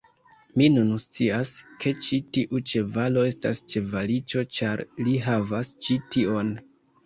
Mi nun scias, ke ĉi tiu ĉevalo estas ĉevaliĉo ĉar li havas ĉi tion!